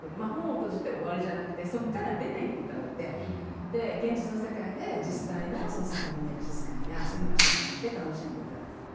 本を閉じて終わりではなくてそこから出て行って現実の世界で実際の作品や美術館に出かけて行って楽しんでいただく。